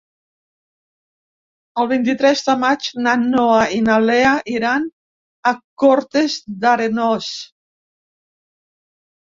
El vint-i-tres de maig na Noa i na Lea iran a Cortes d'Arenós.